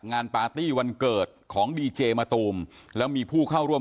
ปาร์ตี้วันเกิดของดีเจมะตูมแล้วมีผู้เข้าร่วม